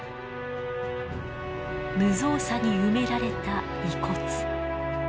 無造作に埋められた遺骨。